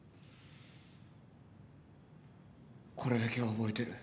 これだけは覚えてる。